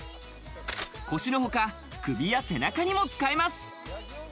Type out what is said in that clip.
腰のほか、首や背中にも使えます。